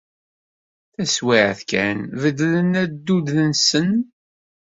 Taswiɛt kan, beddlen addud-nsen.